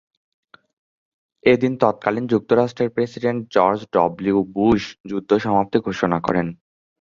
এদিন তৎকালীন যুক্তরাষ্ট্রের প্রেসিডেন্ট জর্জ ডব্লিউ বুশ যুদ্ধ সমাপ্তি ঘোষণা করেন।